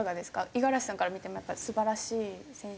五十嵐さんから見てもやっぱり素晴らしい選手？